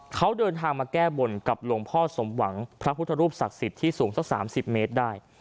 เขาเดินทางมาแก้บนกับหลวงพ่อสมหวังพระพุทธรูปศักดิ์สิทธิ์ที่สูงสัก๓๐เมตรได้